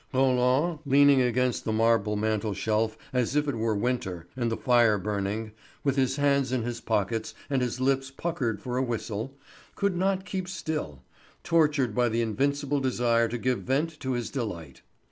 Roland, leaning against the marble mantel shelf as if it were winter and the fire burning, with his hands in his pockets and his lips puckered for a whistle, could not keep still, tortured by the invincible desire to give vent to his delight.